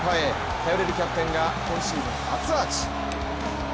頼れるキャプテンが今シーズン初アーチ。